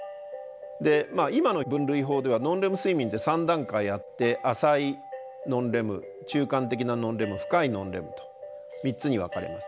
で今の分類法ではノンレム睡眠って３段階あって浅いノンレム中間的なノンレム深いノンレムと３つに分かれます。